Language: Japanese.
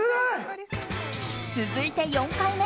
続いて４回目。